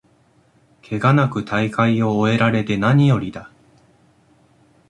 ケガなく大会を終えられてなによりだ